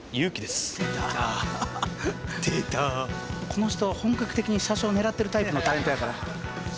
この人は本格的に車掌狙ってるタイプのタレントやから。